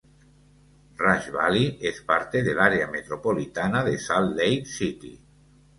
Rush Valley es parte del área metropolitana de Salt Lake City.